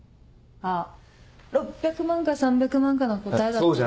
あ６００万か３００万かの答えだったら。